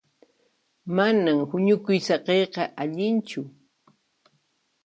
Manan huñukuy saqiyqa allinchu.